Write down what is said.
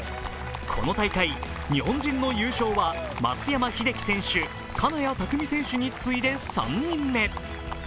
この大会、日本人の優勝は松山英樹選手、金谷拓実選手に次いで３人目。